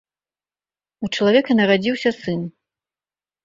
У чалавека нарадзіўся сын.